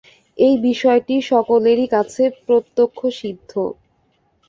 এই বিষয়টি সকলেরই কাছে প্রত্যক্ষসিদ্ধ।